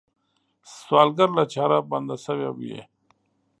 سوالګر له چاره بنده شوی وي